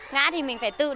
ngã thì mình phải tự đứng